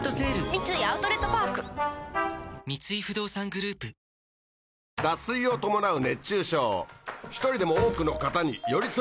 三井アウトレットパーク三井不動産グループそうそう